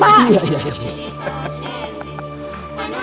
masuk awal familial saya